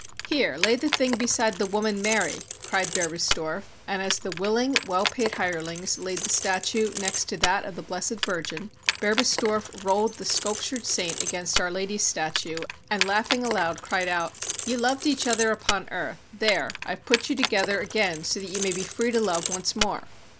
"Here! lay the thing beside the woman Mary," cried Berbistorf; and as the wilHng, well paid hirelings laid the statue next to that of the blessed Virgin, Berbistorf rolled the sculptured saint against Our Lady's statue, and laughing aloud, cried out: — "Ye loved each other upon earth; there, I've put you together again so that ye may be free to love once more!"